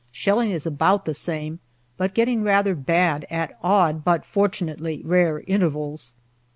Shelling is about the same, but getting rather bad, at odd, but fortunately rare, intervals.